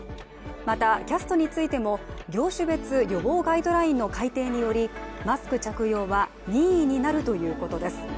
また、キャストについても業種別予防ガイドラインの改訂によりマスク着用は任意になるということです。